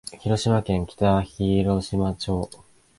広島県北広島町